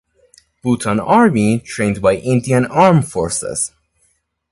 Bhutan army trained by Indian arm forces.